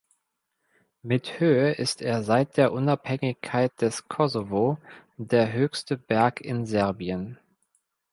Mit Höhe ist er seit der Unabhängigkeit des Kosovo der höchste Berg in Serbien.